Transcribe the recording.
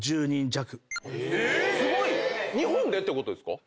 すごい！日本でってことですか？